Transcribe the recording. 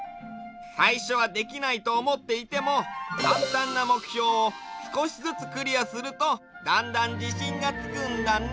さいしょはできないとおもっていてもかんたんなもくひょうをすこしずつクリアするとだんだんじしんがつくんだね！